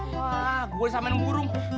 wah gua sampe burung